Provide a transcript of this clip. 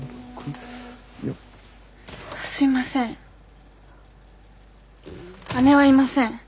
すいません姉はいません。